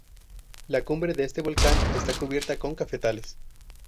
La cumbre de este volcán está cubierta con cafetales.